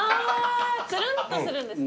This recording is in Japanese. つるんとするんですか？